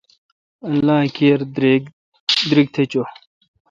اللہ کیر دیرک تھ چو۔